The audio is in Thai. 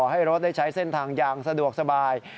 ให้รถได้ใช้เส้นทางอย่างสะดวกสบาย